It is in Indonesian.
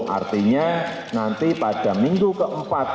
artinya nanti pada minggu keempat